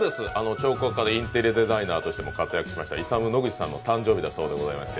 彫刻家のインテリアデザイナーとしても活躍しましたイサム・ノグチさんの誕生日だそうでございまして、